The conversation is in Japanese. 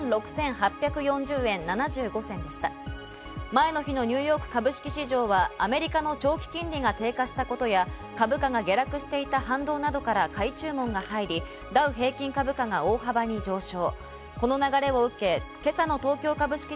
前の日のニューヨーク株式市場はアメリカの長期金利が低下したことや株価が下落していた反動などから買い注文が入り、ダウ平均株価が大幅に上昇。